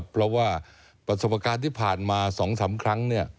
เพราะว่าประสบการณ์ที่ผ่านมา๒๓ครั้ง